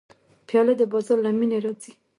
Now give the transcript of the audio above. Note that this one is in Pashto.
پیاله د بازار له مینې راځي.